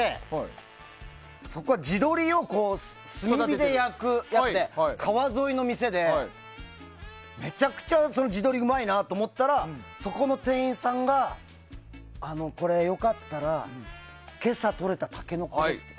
そこは地鶏を炭火で焼くやつで川沿いの店で、めちゃくちゃその地鶏がうまいなと思ったらそこの店員さんがこれ、よかったら今朝とれたタケノコですって。